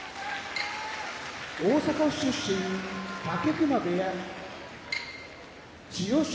大阪府出身武隈部屋千代翔